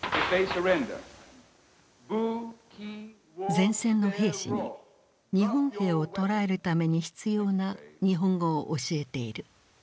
前線の兵士に日本兵を捕らえるために必要な日本語を教えている。